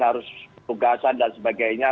harus tugasan dan sebagainya